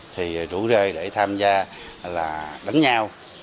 thì rủ rê để tham gia đánh nhau